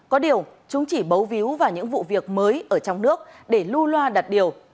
có điều chúng chỉ bấu víu vào những vụ việc mới ở trong nước để lưu loa đặt điều